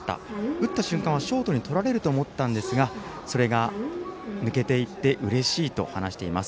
打った瞬間はショートにとられると思ったんですがそれが抜けて行ってくれてうれしいと話しています。